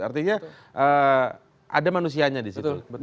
artinya ada manusianya di situ